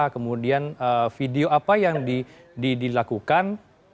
kemudian video apa yang dilakukan